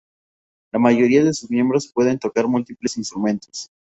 La mayoría de sus miembros pueden tocar múltiples instrumentos.